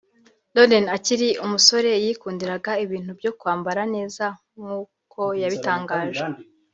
Lauren akiri umusore yikundiraga ibintu byo kwambara neza nk’uko yabitangaje